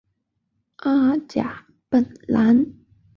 二甲苯蓝和溴酚蓝也常被用于该用途。